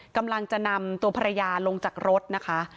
กำลังจะนำตัวภรรยาลงจากรถนะคะ